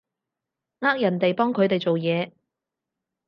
呃人哋幫佢哋做嘢